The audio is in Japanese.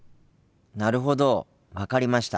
なるほど分かりました。